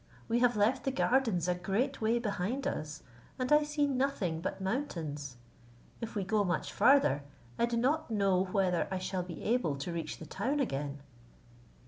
We have left the gardens a great way behind us, and I see nothing but mountains; if we go much further, I do not know whether I shall be able to reach the town again?"